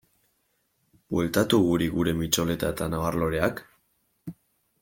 Bueltatu guri geure mitxoleta eta nabar-loreak?